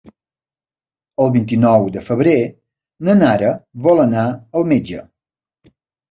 El vint-i-nou de febrer na Nara vol anar al metge.